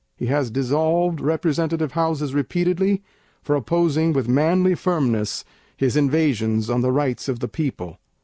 He has dissolved Representative Houses repeatedly, for opposing with manly firmness his invasions on the rights of the people.